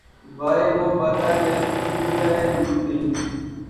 وائے! وہ بادہ کہ‘ افشردۂ انگور نہیں